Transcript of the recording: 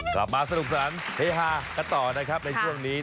กลับมาสนุกสนานเฮฮากันต่อนะครับในช่วงนี้